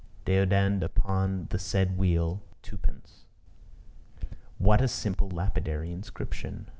Deodand upon the said wheel two pence." What a simple lapidary inscription!